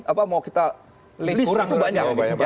apa mau kita list itu banyak